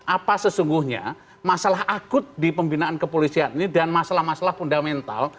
apa sesungguhnya masalah akut di pembinaan kepolisian ini dan masalah masalah fundamental